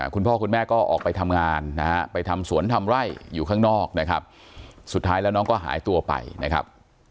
คุณพ่อคุณแม่ก็ออกไปทำงานนะฮะไปทำสวนทำไร่อยู่ข้างนอกนะครับสุดท้ายแล้วน้องก็หายตัวไปนะครับ